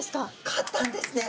勝ったんですね。